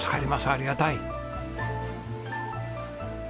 ありがたい！